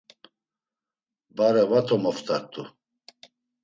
Bare va to moft̆art̆u.